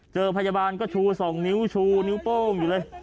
เจอพยาบาลก็ชู๒นิ้วชูนิ้วโป้งอยู่เลย